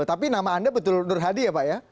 tapi nama anda betul nur hadi ya pak ya